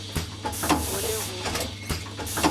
Wole hunun.